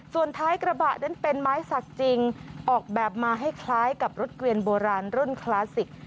ส่วนท้ายกระบะนั้นเป็นไม้สักจริงออกแบบมาให้คล้ายกับรถเกวียนโบราณรุ่นคลาสสิก